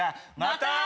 また。